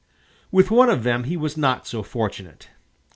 With one of them he was not so fortunate.